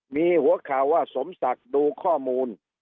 มีหัวข่าวว่าสมศักดิ์ดูข้อมูล